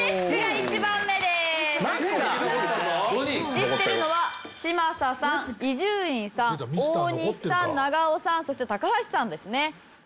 一致してるのは嶋佐さん伊集院さん大西さん長尾さんそして高橋さんですね。